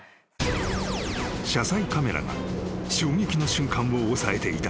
［車載カメラが衝撃の瞬間を押さえていた］